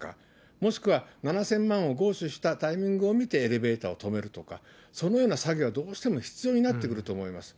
もしくは７０００万を強取したタイミングを見て、エレベーターを止めるとか、そのような作業がどうしても必要になってくると思います。